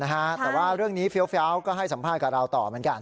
แต่ว่าเรื่องนี้เฟี้ยวก็ให้สัมภาษณ์กับเราต่อเหมือนกัน